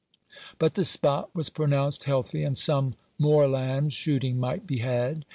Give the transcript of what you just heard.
But the spot was pronounced healthy, and some moorland shooting might be had.